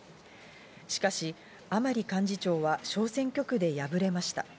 しかし甘利幹事長は小選挙区で敗れました。